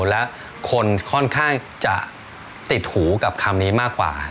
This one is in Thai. และคนค่อนข้างจะติดหูกับคำนี้มากกว่า